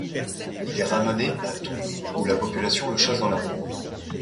Il est ramené à Thun où la population le chasse dans la rue.